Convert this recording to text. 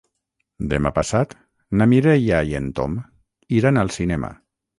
Demà passat na Mireia i en Tom iran al cinema.